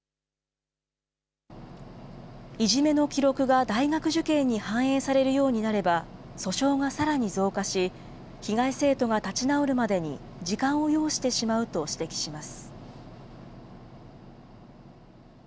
いじめの記録が大学受験に反映されるようになれば、訴訟がさらに増加し、被害生徒が立ち直るまでに時間を要してしまうと指摘します。